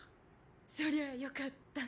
そりゃよかった。